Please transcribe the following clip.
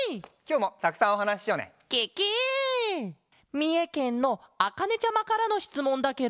みえけんのあかねちゃまからのしつもんだケロ！